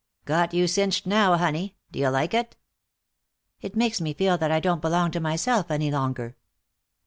"Got you cinched now, honey. Do you like it?" "It makes me feel that I don't belong to myself any longer."